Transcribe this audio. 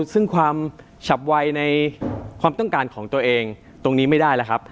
ซึ่งความฉับวัยในความต้องการของตัวเองตรงนี้ไม่ได้แล้วครับ